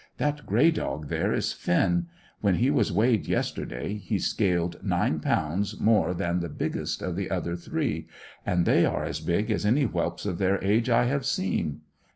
That grey dog there is Finn. When he was weighed yesterday he scaled nine pounds more than the biggest of the other three, and they are as big as any whelps of their age I have seen.